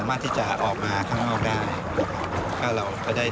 หน้ีจะออกมาออกออกได้